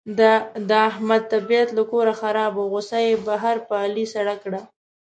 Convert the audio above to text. د احمد طبیعت له کوره خراب و، غوسه یې بهر په علي سړه کړه.